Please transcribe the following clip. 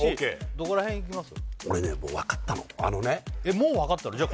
どこら辺いきます？